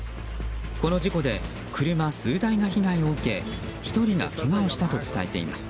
この事故で車数台が被害を受け１人がけがをしたと伝えています。